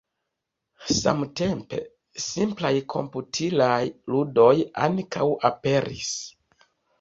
Samtempe, simplaj komputilaj ludoj ankaŭ aperis.